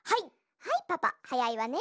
はいパパはやいわね。